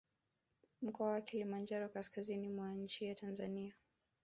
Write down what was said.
Mkoa wa Kilimanjaro kaskazini mwa nchi ya Tanzania